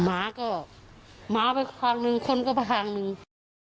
หมาก็หมาไปทางหนึ่งคนก็ไปทางหนึ่ง